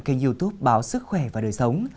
kênh youtube báo sức khỏe và đời sống